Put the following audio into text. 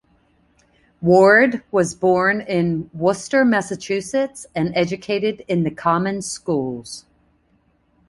Ward was born in Worcester, Massachusetts, and educated in the common schools.